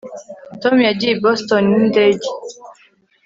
tom yagiye i boston n'indege